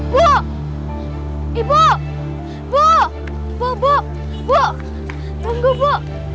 bu ibu bu bu bu tunggu bu